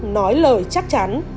nói lời chắc chắn